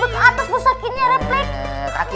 tiba tiba ke atas bosakinya replik